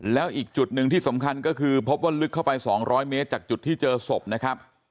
แล้วอีกจุดหนึ่งที่สำคัญก็คือพบว่าลึกเข้าไป๒๐๐เมตรจากจุดที่เจอศพนะครับ